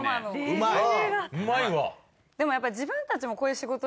うまいね！